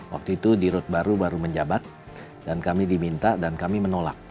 waktu itu dirut baru baru menjabat dan kami diminta dan kami menolak